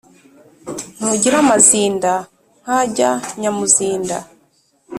ntugira amazinda, nkajya nyamuzinda